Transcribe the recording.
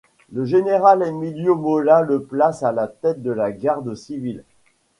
Le général Emilio Mola le place à la tête de la Garde civile.